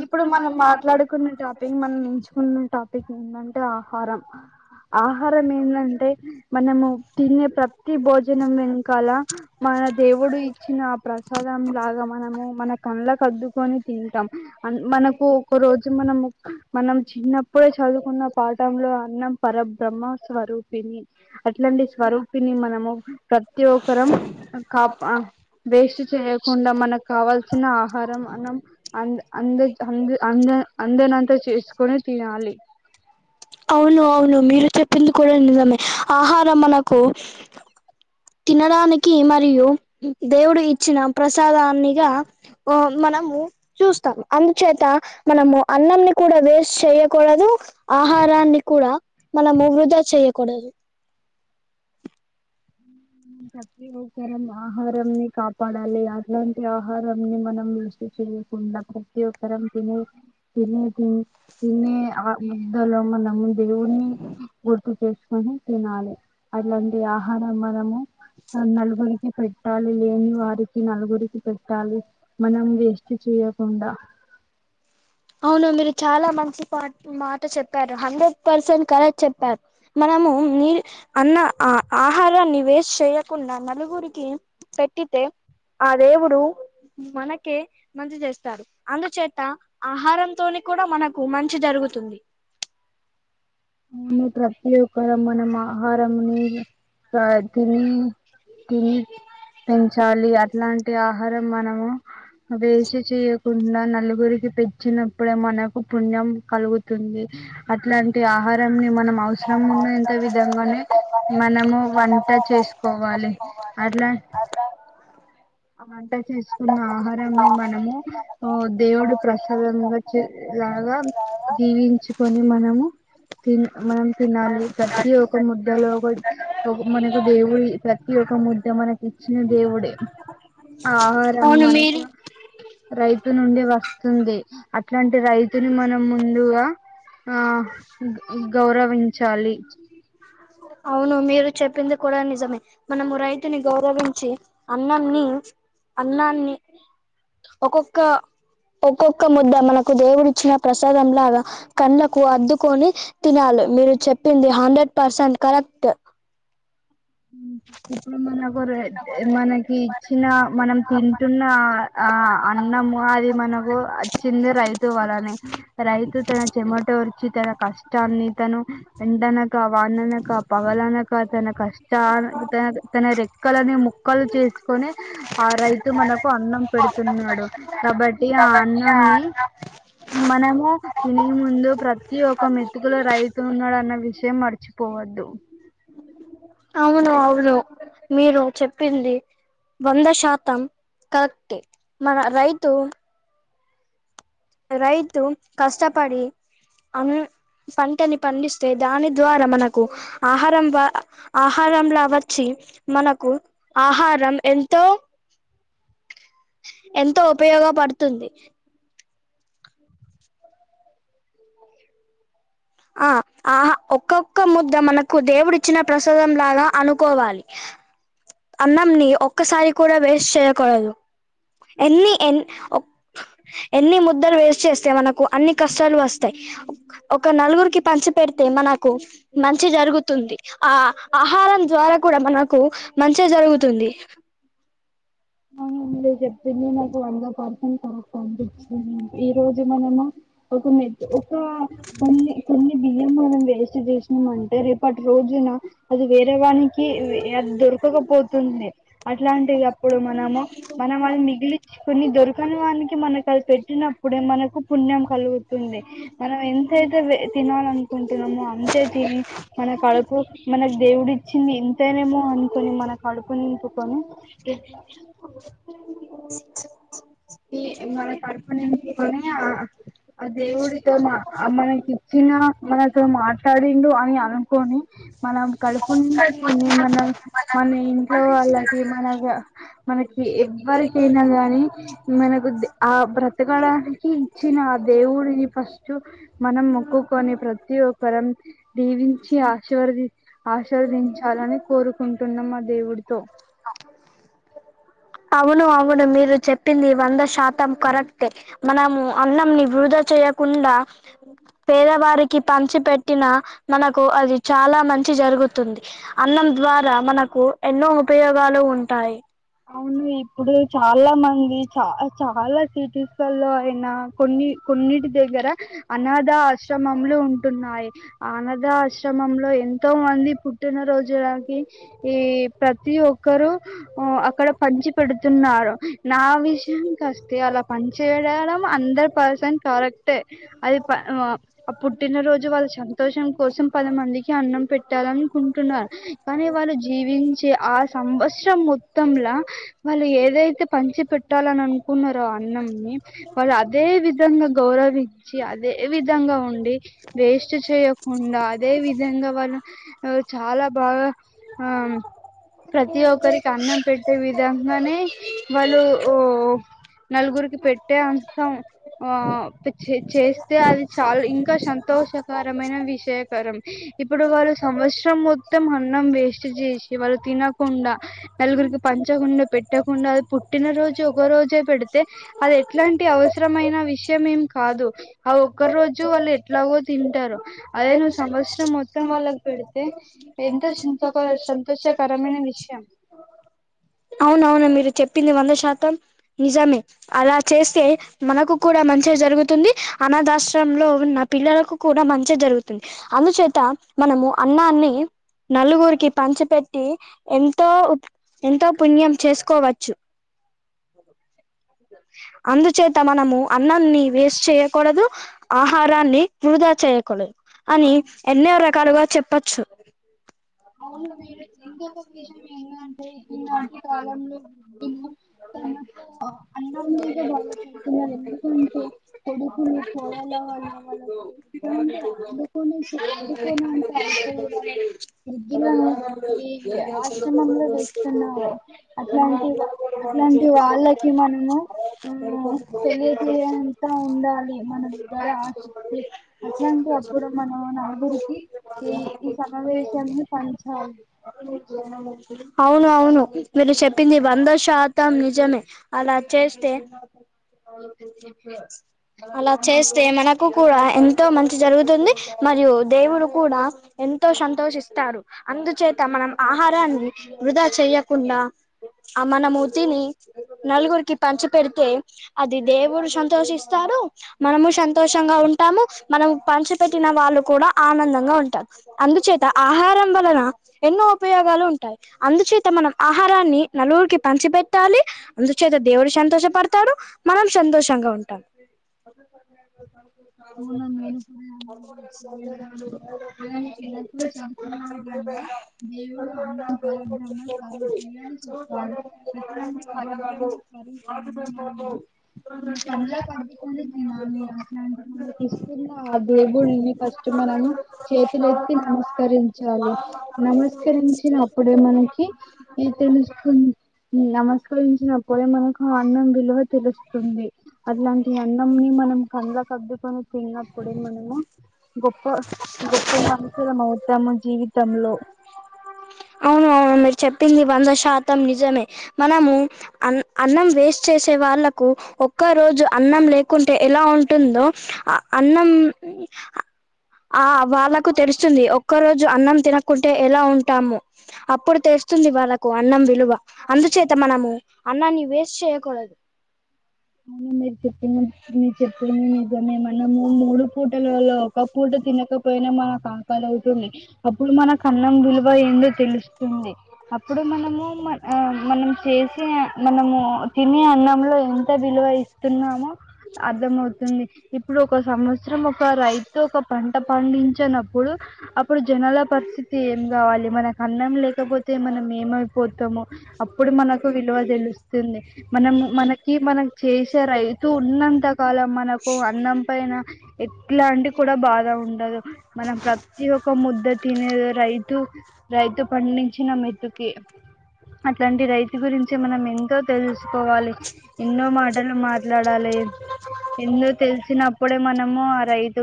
ఇప్పుడు మనం మాట్లాడుకున్న టాపిక్ మనం ఎంచుకున్న టాపిక్ ఏంటంటే ఆహారం. ఆహారం ఏంటంటే మనము తినే ప్రతి భోజనం వెనుకాల మన దేవుడు ఇచ్చిన ఆ ప్రసాదం లాగా మనము మన కళ్ళకద్దుకొని తింటం మనకు ఒక రోజు మనము మనం చిన్నప్పుడే చదువుకున్న పాఠంలో అన్నం పరబ్రహ్మ స్వరూపిణి అట్లాంటి స్వరూపిణి మనము ప్రతి ఒక్కరం కా వేస్ట్ చేయ్యకుండా మనకు కావాల్సిన ఆహారం అన్నం అంద అంద అ అంద అందనంత చేసుకొని తినాలి రు చెప్పింది కూడా నిజమే ఆహారం మనకు తినడానికి మరియు దేవుడు ఇచ్చిన ప్రసాదాన్నిగా ఆ మనము చూస్తాం అందుచేత మనము అన్నం ని కూడా వేస్ట్ చెయ్యకూడదు ఆహారాన్ని కూడా మనము వృధా చెయ్యకూడదు ప్రతి ఒక్కరం ఆహారం ని కాపాడాలి అట్లాంటి ఆహారం ని మనం [inaudible] చేయకుండా ప్రతి ఒక్కరం తినే తినే టి తినే ఆ ముద్దలో మనం దేవుని [inaudible] ప్పు చేసుకొని తినాలి అట్లాంటి ఆహారం మనము నలుగురికి పెట్టాలి లేని వారికి నలుగురికి పెట్టాలి మనం వేస్ట్ చేయకుండా అవును మీరు చాలా మంచి పాట్ మాట చెప్పారు హండ్రెడ్ పర్సెంట్ కరెక్ట్ చెప్పారు మనము మీ అన్న ఆ ఆహారాన్ని వేస్ట్ చెయ్యకుండా నలుగురికి పెట్టితే ఆ దేవుడు మనకే మంచి చేస్తారు అందుచేత ఆహారంతోని కూడా మనకు మంచి జరుగుతుంది [inaudible] ప్రతి ఒక్క మనం ఆహారం ని కా తిని తిని పెంచాలి అట్లాంటి ఆహారం మనము వేస్ట్ చెయ్య కుండా నలుగురికి పెచ్చినప్పుడే మనకు పుణ్యం కలుగుతుంది అట్లాంటి ఆహార్ నం పి మనం అవసరం ఉన్నంత విధంగానే మనము వంట చేసుకోవాలి అట్లా అ వంట చేసుకున్న ఆహారాన్ని మనము ఓద్ దేవుని ప్రసాదంగా లాగా జీవించుకొని మనము తిన్ మనం తినాలి ప్రతి ఒక ముద్దలో ఒక ఒక మనకు దేవుడు ప్రతి ఒక ముద్ద మనకి ఇచ్చిన దేవుడే ఆహారం అవును మీరు మనకి రైతు నుండి వస్తుంది అట్లాంటి రైతుని మనం ముందుగా ఆ గ్ గౌరవించాలి అవును మీరు చెప్పింది కూడా నిజమే మనము రైతుని గౌరవించి అన్నంన్ని అన్నాన్ని ఒక్కొక్క ఒక్కొక్క ముద్ద మనకు దేవుడి ఇచ్చిన ప్రసాదం లాగా కళ్లకు అద్దుకొని తినాలి మీరు చెప్పింది హండ్రెడ్ పర్సెంట్ కరెక్ట్ ఇప్పుడు మనకు మనకి ఇచ్చిన మనం తింటున్న ఆ అన్నము అది మనకు వచ్చింది రైతు వలనే రైతు తన చెమటొర్చి తన కష్టాన్ని తను వెంటన వాననక పగలనక తన కష్ చానా తనది రెక్కలని ముక్కలు చేసుకొని ఆ రైతు మనకు అన్నం పెడుతున్నాడు కాబట్టి ఆ అన్నం ని మనము తినిన్ ముందు ప్రతి ఒక మెతుకులో రైతు ఉన్నాడన్న విషయం మర్చిపోవద్దు అవును అవును మీరు చెప్పింది వంద శాతం కరెక్ట్ మన రైతు రైతు కష్టపడి అం పంటని పండిస్తే దాని ద్వారా మనకు ఆహారం ఆహారంలా వచ్చి మనకు ఆహారం ఎంతో ఎంతో ఉపయోగపడుతుంది ఆ ఆహ ఒక్కొక్క ముద్ద మనకు దేవుడు ఇచ్చిన ప్రసాదంలాగా అనుకోవాలి అన్నంని ఒక్కసారి కూడా వేస్ట్ చేయకూడదు ఎన్ని ఎన్ ఎన్ని ముద్దలు వేస్ట్ చేస్తే మనకు అన్ని కష్టాలు వస్తాయి ఒక నలుగురికి పంచి పెడితే మనకు మంచి జరుగుతుంది ఆ ఆహారం ద్వారా కూడా మనకు మంచిగా జరుగుతుంది అవును నిజం పిన్ని నాకు వందా కర్ కరెక్ట్ అనిపించింది ఈ రోజు మనము ఒక మెత్ ఒక కొన్ని కొన్ని బియ్యం మనం వేస్ట్ చేస్ అంటే రేపటి రోజున అది వేరే వానికి అది దొరకకపోతుంది అట్లాంటిది అప్పుడు మ నము మనం వాళ్ మిగిలిచ్చుకొని కొన్ని దొరకని వానికి మనకది పెట్టినప్పుడే మనకు పుణ్యం కలుగుతుంది మనం ఎంతైతే తినాల అనుకుంటున్నామో అంతే తిని మన కడుపు మనకు దేవుడు ఇచ్చింది ఎంతేనేమో అనుకుొని మన కడుపు నింపుకొని మన కడుపు నింపుకొని ఆ ఆ దేవుడితో మా అమ్మనకి చ్చిన మనతో మాట్లాడిండు అని అనుకొని మనం కకడుపునిండా తిని మన మన ఇన్ ఇంట్లో వాళ్ళకి మనక మనకి ఎవ్వరికైనా గాని మనకు ఆ బ్రతకడానికి ఇచ్చిన ఆ దేవుడిని ఫస్ట్ మనం మొక్కుకొని ప్రతి ఒక్కరం దీవించి ఆశీర్వది ఆశీర్వదించాలని కోరుకుంటున్నాం ఆ దేవుడితో అవును అవును మీరు చెప్పింది వంద శాతం కరెక్టే మనము అన్నం ని వృధా చేయకుండా పేదవారికి పంచి పెట్టినా మనకు అది చాలా మంచి జరుగుతుంది అన్నం ద్వారా మనకు ఎన్నో ఉపయోగాలు ఉంటాయి అవును ఇప్పుడు చాలా మంది చా చాలా సిటీస్లలో అయిన కొన్ని కొన్నిటి దగ్గర అనాథ ఆశ్రమంమ్లు ఉన్ వున్నాయి ఆనథ ఆశ్రమంలో ఎంతో మంది పుట్టిన రోజులకి ఈ ప్రతి ఒక్కరుూ ఉ అ చి పెడుతున్నారు నా విషయానికొస్తే అలా పన్చేయడడం అందర్ పర్సన్ కరెక్ట్ ఏ అది పా ఆ పుట్టినరోజు వాళ్ళ సంతోషం కోసం పది మందికి అన్నం పెట్టాలనుకుంటున్నారు కానీ వాళ్ జీవించే ఆ సంవత్సరం మో మొత్తలా వాళ్ళు ఏదైతే పంచి పెట్టాలని అనుకున్నారో అన్నంన్ని వాళ్ళు అదే విధంగా గౌరవించి అదే విధంగా ఉండి వేస్ట్ చేయకుండా అదే విధంగా వాళ్ళు చాలా బాగా ఆ ప్రతి ఒక్కరికి అన్నం పెట్టే విధంగానే వాళ్ళు నలుగురికి పెట్టే అంతం ఆ చేసి అయితే అది చాలు ఇంకా సంతోషకర ఏమయినా విషయకరం ఇప్పుడు వాళ్ళు సంవత్సరం మొత్తం అన్నం వేస్ట్ చేసి వాళ్ళు తినకుండా నలుగురికి పంచకుండా పెట్టకుండా అ పుట్టిన రోజు ఒక రోజే పెడితే అది ఎట్లాంటి అవసరమైన విషయం ఏం కాదు ఆ ఒక్క రోజు వాళ్ళు ఎట్లాగో తింటారు అదే నువ్వు సంవత్సరం మొత్తం వాళ్ళకి పెడితే ఎంత సం ఒక సంతోషకరమైన విషయం అవునవును మీరు చెప్పింది వంద శాతం నిజమే అలా చేస్తే మనకు కూడా మంచిగా జరుగుతుంది అనాదాష్ట్రంలో ఉన్న పిల్లలకు కూడా మంచిగా జరుగుతుంది అందుచేత మనము అన్నాన్ని నలుగురికి పంచపెట్టి ఎంతో ఎంతో పుణ్యం చేసుకోవచ్చు అందుచేత మనము అన్నన్ని వేస్ట్ చేయకూడదు ఆహారాన్ని వృధా చేయకూడదు అని ఎన్నవరె కరుగా చెప్పచ్చు అవును నేను చిన్న ఒక విషయం ఏంటంటే ఈనాటి కాలంలో వృద్ధులు తనకు అన్నం లేక బాధపడుతున్నారు ఎందుకంటే కొడుకులు కోడల వాళ్ల వాళ్ళకు ఎంటే అడుకని అందుకోని అంతా అయిపోయే కదా ఇని ఈ ఆశ్రమంలో వస్తున్నారు అట్లాంటి అట్లాంటి వాళ్ళకి మనము ఆ తెలియజేయంతా ఉండాలి మన దగ్గర ఆసక్తి అట్లాంటి అప్పుడు మనం నలుగురికి ఈ ఈ సమావేశంలో పంచాలు అవును అవును మీరు చెప్పింది వంద శాతం నిజమే అలా చేస్తే అలా చేస్తే మనకు కూడా ఎంతో మంచి జరుగుతుంది మరియు దేవుడు కూడా ఎంతో సంతోషిస్తారు అందుచేత మనం ఆహారాన్ని వృధా చెయ్యకుండా మనము తిని నలుగురికి పంచి పెడితే అది దేవుడు సంతోషిస్తారు మనము సంతోషంగా ఉంటాము మనం పంచపెట్టిన వాళ్ళు కూడా ఆనందంగా ఉంటారు అందుచేత ఆహారం వలన ఎన్నో ఉపయోగాలు ఉంటాయి అందుచేత మనం ఆహారాన్ని నలుగురికి పంచి పెట్టాలి అందుచేత దేవుడు సంతోషపడతారు మనం సంతోషంగా ఉంటాం [unintelligible] [unintelligible] దేవుడు అన్నం బలవింగా సరపయలు చే ప్పాడు అలా [unintelligible] కంలా కద్దుకొని తినాలి అట్లాంటి మనకి ఇస్తున్న ఆ దేబుల్ని ఫస్ట్ మనము చేతులు ఎత్తి నమస్కరించి అండి నమస్కరించిన అప్పుడే మనకి తెలుస్తుంది నమస్ అనుభవించినపుడే మనకు అన్నం విలువ తే తెలుస్తుంది అట్లాంటి అన్నంని మనం కండ్ల కద్దుకొని తిన్నప్పుడే మనము గొప్ప గొప్ప వసూలం అవుతాము జీవితంలో పింది వంద శాతం నిజమే మనము అ అన్నం వేస్ట్ చేసే వాళ్ళలకు ఒక్క రోజు అన్నం లేకుంటే ఎలా ఉంటుందో అన్నం ఆ వాళ్ళకు తెరుస్తుంది ఒక్క రోజు అన్నం తినకుంటే ఎలా ఉంటాము అప్పుడు తెరుస్తుంది వాళ్ళకు అన్నం విలువ అందుచేత మనము అన్నాన్ని వేస్ట్ చేయకూడదు మీరు చెప్పిన మీరు చెప్పిన నిజమే అన్నము మూడు పూటలలో ఒక పూట తినకపోయినా మనకు ఆకలి అవుతుంది అప్పుడు మనకు అన్నం విలువ ఏందో తెలుస్తుంది అప్పుడు మనము మ ఆ మనం చేసే మనము తినే అన్నంలో ఎంత విలువ ఇ తున్నాముో అర్థం అవుతుంది ఇప్పుడు ఒక సంవత్సరం ఒక రైతు ఒక పంట పండించినప్పుడు అప్పుడు జనాల పరిస్థితి ఏం కావాలి మనకు అన్నం లేకపోతే మనం ఏమైపోతాము అప్పుడు మనకు విలువ తెలుస్తుంది మనం మనకి మనం చేస్ రైతు ఉన్నంతకాలం మనకు అన్నం పైన ఎట్లాంటి కూడా బాధ ఉండదు మనం ప్రతి ఒక్క ముద్ద తినేదు రైతు రైతు పండించిన మెతుకి అట్లాంటి రైతు గురించి మనం ఎంతో తెలుసుకోవాలి ఎన్నో మాట మాటలు మాట్లాడాలి ఎందు తెలిసినప్పుడే మనము ఆ రైతు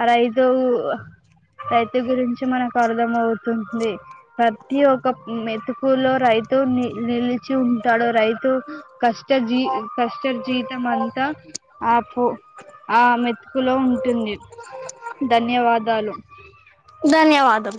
ఆ రైతు రైతు గురించి మనకు అర్థం అవుతుంది ప్రతి ఒక మెతుకులో రైతు నిలిచి ఉంటాడు రైతు కష్ట జీ కస్టర్ జీతం అంతా ఆ పో ఆ మెతుకులో ఉంటుంది ధన్యవాదాలు ధన్యవాదము